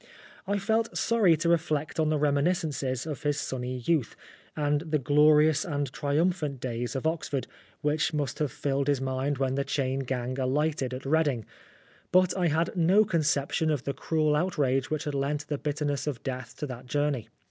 I felt sorry to reflect on the reminiscences of his sunny youth, and the glorious and triumphant days of Oxford, which must have filled his mind when the chain gang alighted at Reading, but I had no conception of the cruel outrage which had lent the bitterness of death to that journey.